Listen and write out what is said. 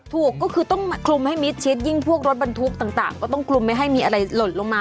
ถูกก็คือต้องคลุมให้มิดชิดยิ่งพวกรถบรรทุกต่างก็ต้องคลุมไม่ให้มีอะไรหล่นลงมา